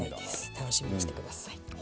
楽しみにしてください。